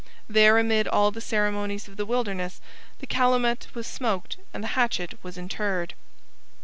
There, amid all the ceremonies of the wilderness, the calumet was smoked and the hatchet was interred.